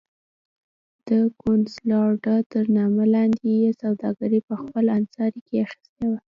د کنسولاډا تر نامه لاندې یې سوداګري په خپل انحصار کې اخیستې وه.